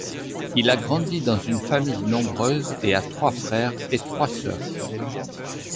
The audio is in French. Il a grandi dans une famille nombreuse et a trois frères et trois sœurs.